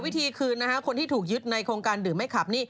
วิธีคืนนะฮะคนที่ถูกยึดในโครงการดื่มไม่ขับนี่